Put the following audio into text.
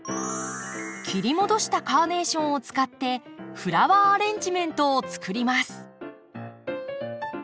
切り戻したカーネーションを使ってフラワーアレンジメントをつくります。